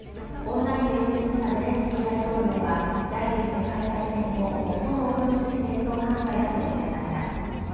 オンラインで演説したゼレンスキー大統領は第２次世界大戦後最も恐ろしい戦争犯罪だと訴えました。